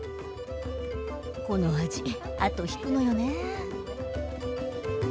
この味後引くのよね。